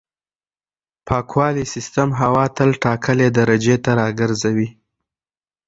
پاکوالي سیستم هوا تل ټاکلې درجې ته راګرځوي.